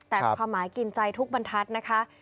แต่ความหมายกินใจทุกบรรทัศน์นะคะ